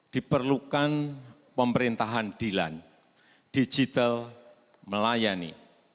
diperlukan pemerintahan dilan digital melayani